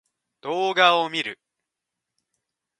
動画を見る